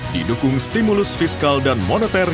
di dukung stimulus fiskal dan moneter